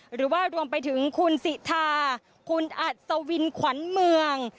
หรือว่ารวมไปถึงคุณสิทาคุณอัศวินขวัญเมือง